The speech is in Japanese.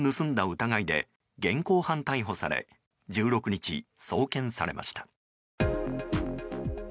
疑いで現行犯逮捕され１６日、送検されました。